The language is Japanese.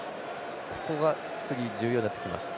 ここが次、重要になってきます。